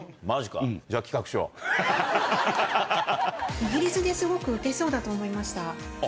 イギリスですごくウケそうだと思いました。